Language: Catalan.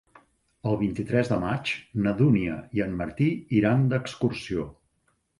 El vint-i-tres de maig na Dúnia i en Martí iran d'excursió.